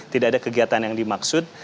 tidak ada kegiatan yang dimaksud